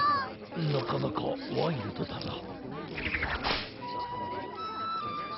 なかなかワイルドだな。